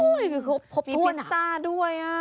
อุ๊ยมีพิซซ่าด้วย